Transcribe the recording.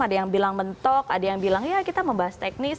ada yang bilang mentok ada yang bilang ya kita membahas teknis